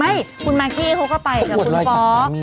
ใช่คุณมากกี้เขาก็ไปกับคุณฟอส